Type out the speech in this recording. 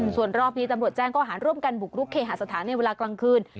ส่วนรอบนี้ตำรวจแจ้งก็หารร่วมกันบุกรุกเคหาสถานในเวลากลางคืน